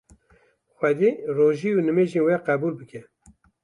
Xwedê rojî û nimêjên we qebûl bike.